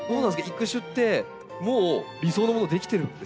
育種ってもう理想のもの出来てるんですか？